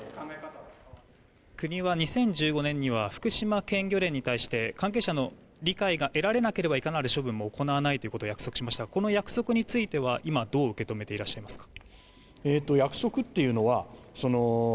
国は２０１５年には福島県漁連に対して関係者の理解が得られなければいかなる処分も行わないと約束しましたがこの約束についてはどう受け止めていらっしゃいますか。